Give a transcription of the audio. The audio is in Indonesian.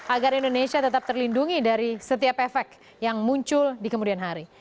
agar indonesia tetap terlindungi dari setiap efek yang muncul di kemudian hari